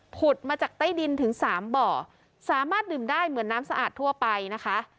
มาจากใต้ดินถึงสามบ่อสามารถดื่มได้เหมือนน้ำสะอาดทั่วไปนะคะ